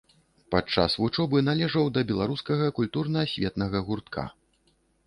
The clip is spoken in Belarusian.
Падчас вучобы належаў да беларускага культурна-асветнага гуртка.